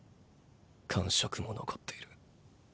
感触も残っている。